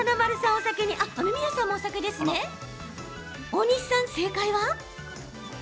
大西さん、正解は？